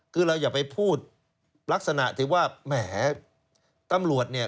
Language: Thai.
คือเราอย่าไปพูดลักษณะที่ว่าแหมตำรวจเนี่ย